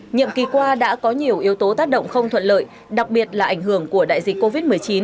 nhiệm kỳ qua đã có nhiều yếu tố tác động không thuận lợi đặc biệt là ảnh hưởng của đại dịch covid một mươi chín